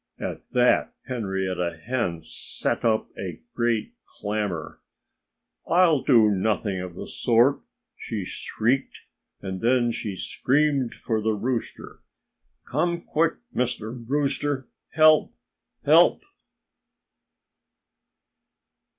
At that Henrietta Hen set up a great clamor. "I'll do nothing of the sort!" she shrieked. And then she screamed for the rooster. "Come quick, Mr. Rooster! Help! Help!"